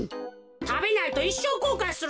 たべないといっしょうこうかいするぞ。